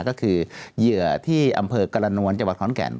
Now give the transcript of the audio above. ก็คือเหยื่อที่อำเภอกรณวลจังหวัดขอนแก่น